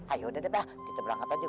ayo udah deh pak kita berangkat aja